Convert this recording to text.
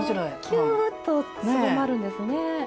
キューッとすぼまるんですね。